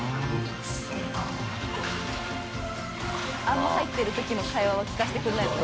あんま入ってる時の会話は聞かせてくれないんだ。